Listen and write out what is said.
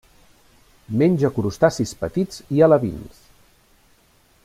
Menja crustacis petits i alevins.